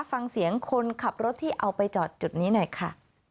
ฟังเสียงคนขับรถที่เอาไปจอดจุดนี้หน่อยค่ะ